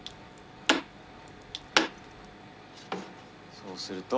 そうすると。